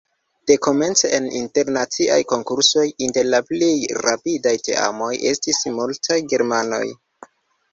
Dekomence en internaciaj konkursoj inter la plej rapidaj teamoj estis multaj germanoj.